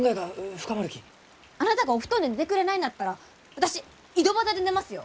あなたがお布団で寝てくれないんだったら私井戸端で寝ますよ！